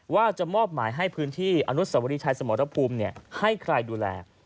ว่าจะมอบหมายให้พื้นที่อนุสวรีชัยสมรภูมิให้ใครดูแล